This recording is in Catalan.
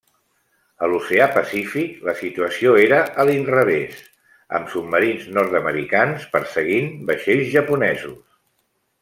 A l'oceà Pacífic, la situació era a l'inrevés, amb submarins nord-americans perseguint vaixells japonesos.